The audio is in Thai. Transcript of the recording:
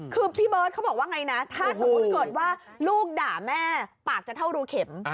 คือพี่เบิร์ตเขาบอกว่าไงนะถ้าสมมุติเกิดว่าลูกด่าแม่ปากจะเท่ารูเข็ม